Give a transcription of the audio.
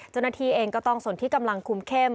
จนนาทีเองก็ต้องส่วนที่กำลังคุ้มเข้ม